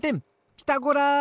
「ピタゴラ」！